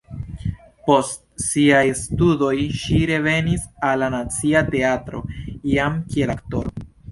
Post siaj studoj ŝi revenis al la Nacia Teatro jam kiel aktoro.